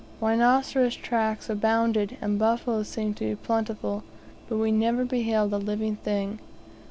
Rhinoceros' tracks abounded, and buffalo seemed to be plentiful, but we never beheld a living thing.